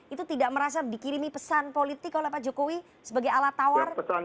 itu tidak merasa dikirimi pesan politik oleh pak jokowi sebagai alat tawar